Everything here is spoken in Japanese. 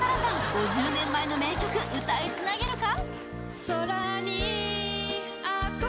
５０年前の名曲歌いつなげるか？